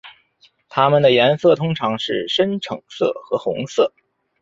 它们的颜色通常是深橙色或红色。